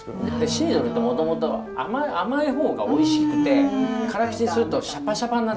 シードルってもともとは甘い方がおいしくて辛口にするとシャパシャパになっちゃうんですよ。